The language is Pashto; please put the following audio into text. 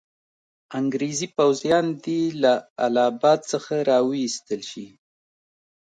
انګریزي پوځیان دي له اله اباد څخه را وایستل شي.